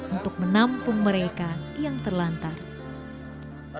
untuk menampung mereka yang terlantar